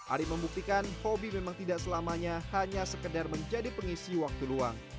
ari membuktikan hobi memang tidak selamanya hanya sekedar menjadi pengisi waktu luang